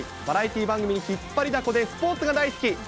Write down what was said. バラエティー番組に引っ張りだこで、スポーツが大好き。